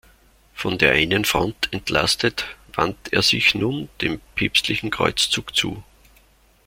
Von der einen Front entlastet, wandte er sich nun dem päpstlichen Kreuzzug zu.